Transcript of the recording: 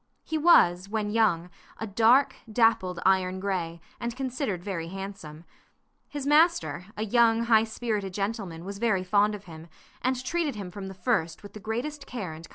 He was, when young, a dark, dappled iron gray, and considered very handsome. His master, a young, high spirited gentleman, was very fond of him, and treated him from the first with the greatest care and kindness.